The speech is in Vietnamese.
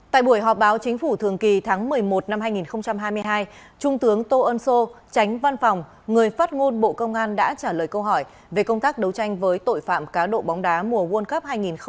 tại buổi họp báo chính phủ thường kỳ tháng một mươi một năm hai nghìn hai mươi hai trung tướng tô ân sô tránh văn phòng người phát ngôn bộ công an đã trả lời câu hỏi về công tác đấu tranh với tội phạm cá độ bóng đá mùa world cup hai nghìn hai mươi ba